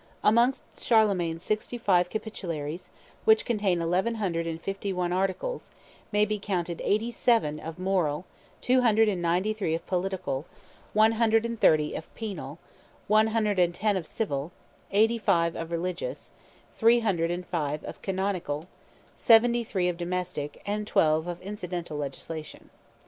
Amongst Charlemagne's sixty five Capitularies, which contain eleven hundred and fifty one articles, may be counted eighty seven of moral, two hundred and ninety three of political, one hundred and thirty of penal, one hundred and ten of civil, eighty five of religious, three hundred and five of canonical, seventy three of domestic, and twelve of incidental legislation.